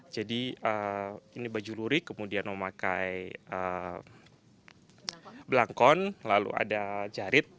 jadi ini baju lurik kemudian memakai belangkon lalu ada jarit